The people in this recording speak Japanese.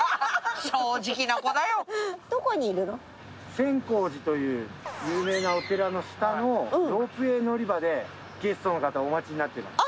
千光寺という有名なお寺の下のロープウェイ乗り場でゲストの方お待ちになってるんです。